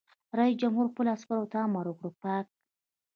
رئیس جمهور خپلو عسکرو ته امر وکړ؛ پاک!